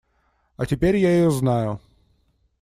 А теперь я ее знаю.